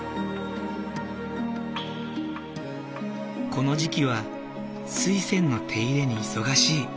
この時期はスイセンの手入れに忙しい。